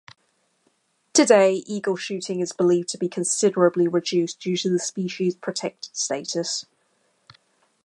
Today eagle-shooting is believed to be considerably reduced due to the species protected status.